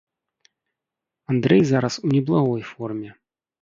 Андрэй зараз у неблагой форме.